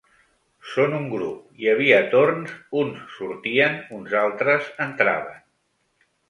Són un grup, hi havia torns; uns sortien, uns altres entraven.